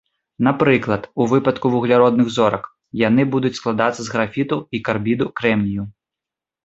Напрыклад, у выпадку вугляродных зорак, яны будуць складацца з графіту і карбіду крэмнію.